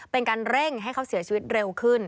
เป็นการเร่งให้เขาเสียชีวิตเร็วขึ้น